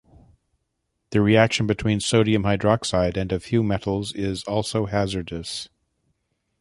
The reaction between sodium hydroxide and a few metals is also hazardous.